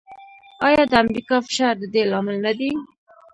آیا د امریکا فشار د دې لامل نه دی؟